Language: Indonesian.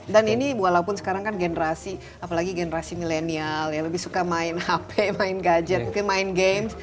dan ini walaupun sekarang kan generasi apalagi generasi milenial ya lebih suka main hp main gadget main game